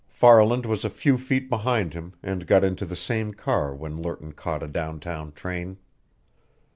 Farland was a few feet behind him, and got into the same car when Lerton caught a downtown train.